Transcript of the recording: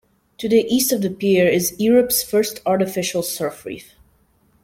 To the east of the pier is Europe's first artificial surf reef.